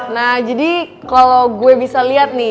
nah jadi kalo gue bisa liat nih